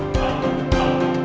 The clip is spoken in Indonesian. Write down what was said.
ada yang ada disini